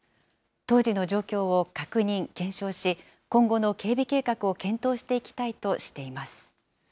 当時の状況を確認・検証し、今後の警備計画を検討していきたいとしています。